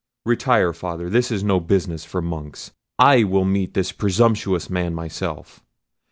Retire, Father; this is no business for Monks: I will meet this presumptuous man myself.